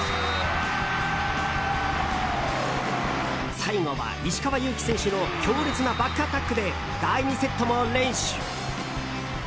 最後は石川祐希選手の強烈なバックアタックで第２セットも連取。